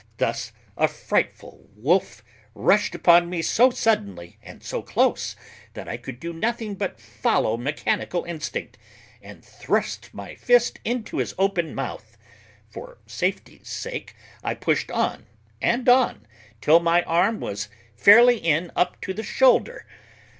Thus a frightful wolf rushed upon me so suddenly, and so close, that I could do nothing but follow mechanical instinct, and thrust my fist into his open mouth. For safety's sake I pushed on and on, till my arm was fairly in up to the shoulder.